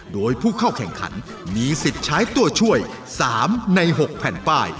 โดยผู้เข้าแข่งขันมีสิทธิ์ใช้ตัวช่วย๓ใน๖แผ่นป้าย